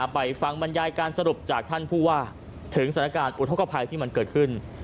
ไปฟังบรรยายการสรุปจากท่านผู้ว่าถึงสถานการณ์อุทธกภัยที่มันเกิดขึ้น